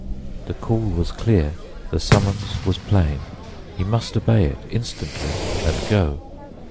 The call was clear, the summons was plain. He must obey it instantly, and go.